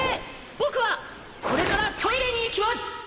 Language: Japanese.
僕はこれからトイレに行きます！